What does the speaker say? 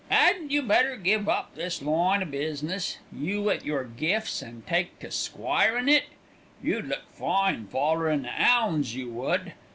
'Adn't you better give up this line o' business, you with your gif's, and take to squirin' it? You'd look fine follerin' the 'ounds, you would.